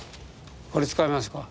これ使いますか？